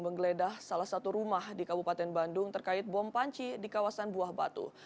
menggeledah salah satu rumah di kabupaten bandung terkait bom panci di kawasan buah batu